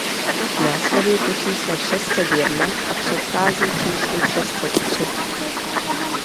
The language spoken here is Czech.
Následuje po čísle šest set jedna a předchází číslu šest set tři.